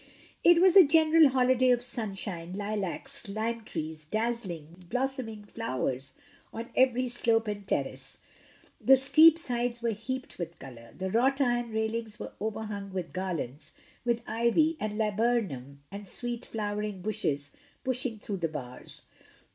It was a general holiday of sunshine, lilacs, lime trees; dazzling, blossoming flowers on every slope and terrace. The steep sides were heaped with colour; the wrought iron railings were overhung with garlands, with ivy and laburnum and sweet flower ing bushes pushing through the bars.